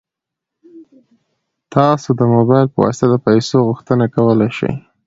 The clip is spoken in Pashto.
تاسو د موبایل په واسطه د پيسو غوښتنه کولی شئ.